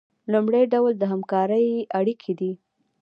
لومړی ډول د همکارۍ اړیکې دي.